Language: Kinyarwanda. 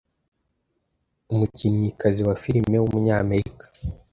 Umukinnyikazi wa filime w’umunyamerika